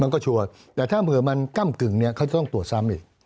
ชัวร์แต่ถ้าเผื่อมันก้ำกึ่งเนี่ยเขาจะต้องตรวจซ้ำอีก